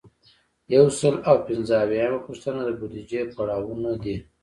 یو سل او پنځه اویایمه پوښتنه د بودیجې پړاوونه دي.